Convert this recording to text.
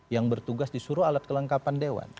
yang bertugas disuruh alat kelengkapan dewan